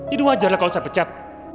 ini wajar lah kalau saya pecat